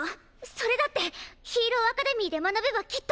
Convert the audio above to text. それだってヒーローアカデミーで学べばきっと！